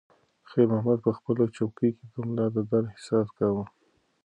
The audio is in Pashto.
خیر محمد په خپله چوکۍ کې د ملا د درد احساس کاوه.